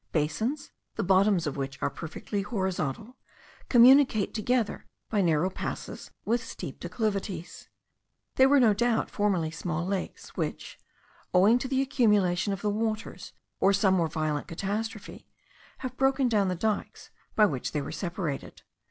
Basins, the bottoms of which are perfectly horizontal, communicate together by narrow passes with steep declivities. They were, no doubt, formerly small lakes, which, owing to the accumulation of the waters, or some more violent catastrophe, have broken down the dykes by which they were separated.